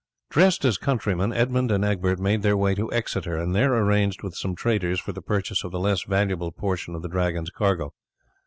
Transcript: Dressed as countrymen, Edmund and Egbert made their way to Exeter, and there arranged with some traders for the purchase of the less valuable portion of the Dragons cargo.